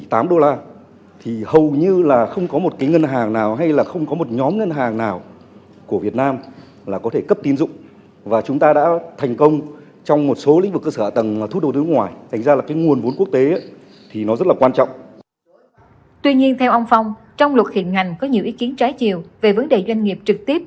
tuy nhiên theo ông phong trong luật hiện ngành có nhiều ý kiến trái chiều về vấn đề doanh nghiệp trực tiếp